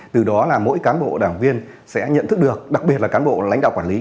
từ đó là mỗi cán bộ đảng viên sẽ nhận thức được đặc biệt là cán bộ lãnh đạo quản lý